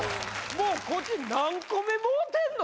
もうこっち何個目もうてんの？